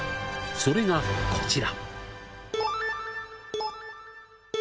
それがこちら。